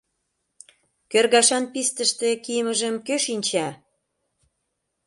Кӧргашан пистыште кийымыжым кӧ, шинча?